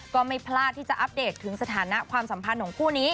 ก็ไม่พลาดที่จะอัปเดตถึงสถานะความสัมพันธ์ของคู่นี้